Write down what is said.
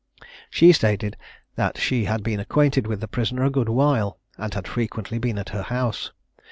She stated that she had been acquainted with the prisoner a good while, and had frequently been at her house.